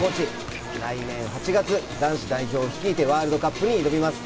来年８月、男子代表を率いてワールドカップに挑みます。